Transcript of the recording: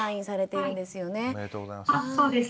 おめでとうございます。